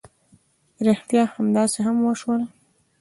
ريښتيا همداسې هم وشول.